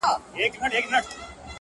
تـا كــړلــه خـــپـــره اشــــنـــــا؛